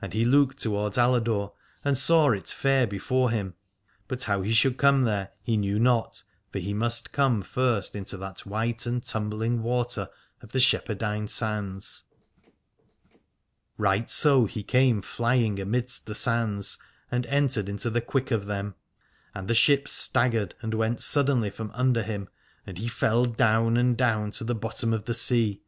And he looked towards Aladore, and saw it fair before him : but how he should come there he knew not, for he must come first into that white and tumbling water of the Shepherdine Sands. Right so he came flying amidst the Sands and entered into the quick of them : and the ship staggered and went suddenly from under him, and he fell down and down to the bottom of the sea.